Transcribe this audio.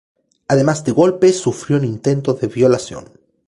Además de golpes, sufrió un intento de violación.